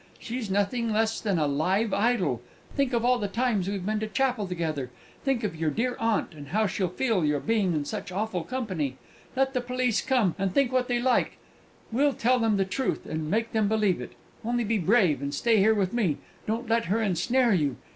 She's nothing less than a live idol! Think of all the times we've been to chapel together; think of your dear aunt, and how she'll feel your being in such awful company! Let the police come, and think what they like: we'll tell them the truth, and make them believe it. Only be brave, and stay here with me; don't let her ensnare you!